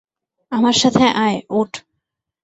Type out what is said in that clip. আমার সাথে আয়, ওঠ।